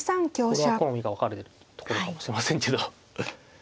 これは好みが分かれるところかもしれませんけど。